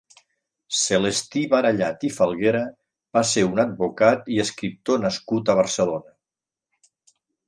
Celestí Barallat i Falguera va ser un advocat i escriptor nascut a Barcelona.